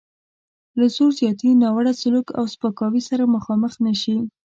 له زور زیاتي، ناوړه سلوک او سپکاوي سره مخامخ نه شي.